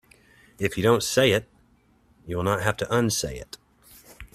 If you don't say it you will not have to unsay it.